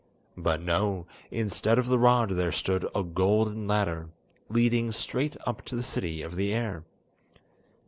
But no, instead of the rod, there stood a golden ladder, leading straight up to the city of the air.